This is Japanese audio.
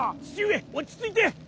父上落ち着いて。